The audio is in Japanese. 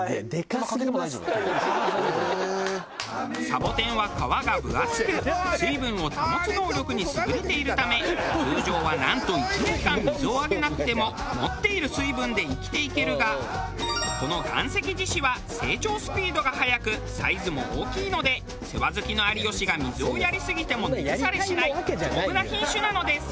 サボテンは皮が分厚く水分を保つ能力に優れているため通常はなんと１年間水をあげなくても持っている水分で生きていけるがこの岩石獅子は成長スピードが早くサイズも大きいので世話好きの有吉が水をやりすぎても根腐れしない丈夫な品種なのです。